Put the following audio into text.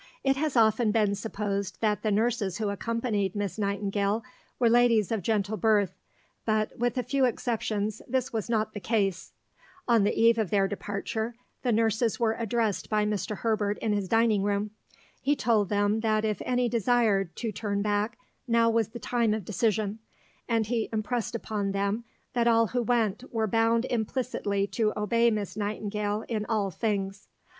It has often been supposed that the nurses who accompanied Miss Nightingale were ladies of gentle birth, but, with a few exceptions, this was not the case. On the eve of their departure, the nurses were addressed by Mr. Herbert in his dining room. He told them that if any desired to turn back, now was the time of decision, and he impressed upon them that all who went were bound implicitly to obey Miss Nightingale in all things.